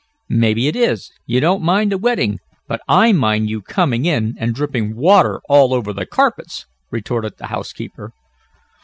"Maybe it is. You don't mind a wetting, but I mind you coming in and dripping water all over the carpets!" retorted the housekeeper.